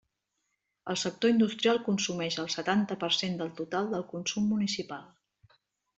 El sector industrial consumeix el setanta per cent del total del consum municipal.